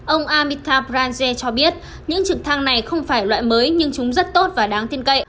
ông amita branje cho biết những trực thăng này không phải loại mới nhưng chúng rất tốt và đáng tin cậy